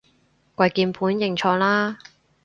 跪鍵盤認錯啦